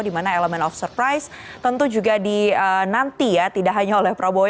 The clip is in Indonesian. di mana elemen of surprise tentu juga dinanti ya tidak hanya oleh prabowo subianto